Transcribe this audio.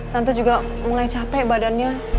tante juga mulai capek badannya